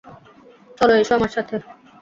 চলো, এসো আমার সাথে!